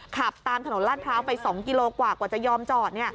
ขับตามถนนลาดพร้าวไป๒กิโลกว่ากว่าจะยอมจอด